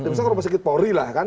misalnya kalau sakit pori lah kan